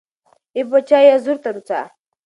ای بچای، یازور ته روڅه